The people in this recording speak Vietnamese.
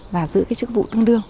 và giữ chức vụ tương đương